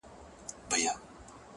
د اختر سهار ته مي.